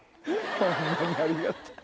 ホンマにありがたい。